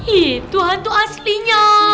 itu hantu aslinya